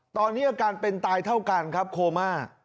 ตอนนี้อาการเป็นตายเท่ากันครับโคม่า